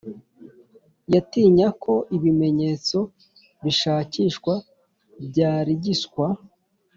Yatinya ko ibimenyetso bishakishwa byarigiswa